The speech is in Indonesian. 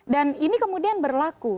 dan ini kemudian berlaku